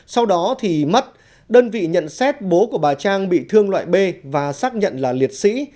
sau đó thì mất đơn vị nhận xét bố của bà trang bị thương loại b và xác nhận là liệt sĩ